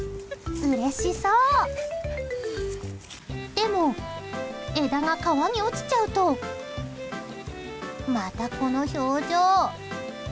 でも、枝が川に落ちちゃうとまたこの表情。